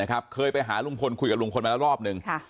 เคยไปหาลุงพลคุยกับลุงพลมาแล้วรอบหนึ่ง